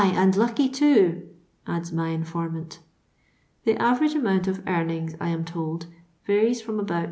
and lucky, too," adds my informant. The average amount of earn ings, I am told, varies from about 6